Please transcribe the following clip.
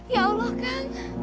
ya allah kang